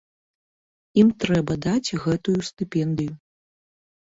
І ім трэба даць гэтую стыпендыю.